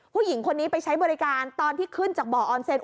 ผู้หญิงคนนี้ไปใช้บริการตอนที่ขึ้นจากบ่อออนเซน